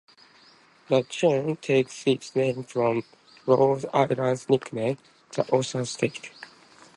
The chain takes its name from Rhode Island's nickname, "The Ocean State".